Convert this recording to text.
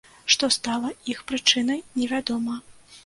Што стала іх прычынай, невядома.